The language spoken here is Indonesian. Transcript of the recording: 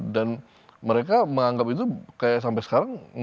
dan mereka menganggap itu kayak sampai sekarang